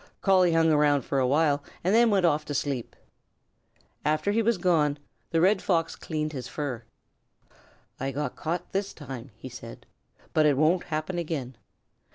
Collie hung around for a while and then went off to sleep. After he was gone, the Red Fox cleaned his fur. "I got caught this time," he said, "but it won't happen again.